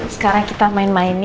sekarang kita main main